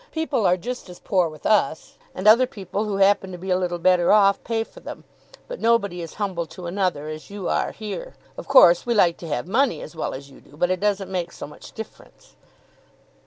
People are just as poor with us; and other people who happen to be a little better off, pay for them. But nobody is humble to another, as you are here. Of course we like to have money as well as you do, but it doesn't make so much difference."